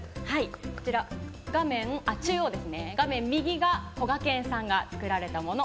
こちら、画面右がこがけんさんが作られたもの。